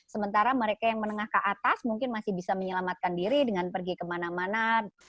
sementara mereka yang menengah ke atas mungkin masih bisa menyelamatkan diri dengan pergi kemana mana